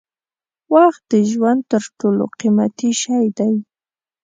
وخت د ژوند تر ټولو قیمتي شی دی.